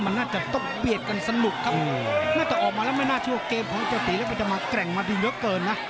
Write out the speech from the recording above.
มันน่าจะต้องเบียดกันสนุกครับน่าจะออกมาแล้วไม่น่าเชื่อว่าเกมของเจ้าตีแล้วมันจะมาแกร่งมาดีเยอะเกินนะ